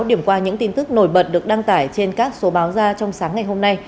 điểm qua những tin tức nổi bật được đăng tải trên các số báo ra trong sáng ngày hôm nay